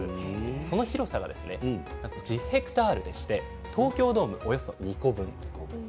その広さ１０ヘクタール東京ドームおよそ２個分。